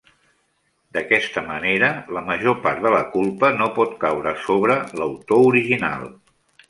D'aquesta manera, la major part de la culpa no pot caure sobre l'autor original.